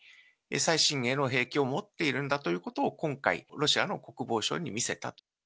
最新鋭の兵器を持っているんだと、今回、ロシアの国防相に見せた。